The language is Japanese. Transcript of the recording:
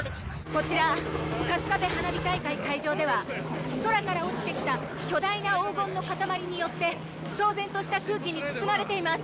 こちらカスカベ花火大会会場では空から落ちてきた巨大な黄金の塊によって騒然とした空気に包まれています。